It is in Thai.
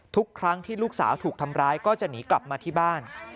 ทุกครั้งที่ลูกสาวถูกทำร้ายก็จะหนีกลับมาที่บ้าน